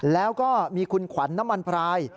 แล้วก็มีคุณขวัญน้ำมันพราย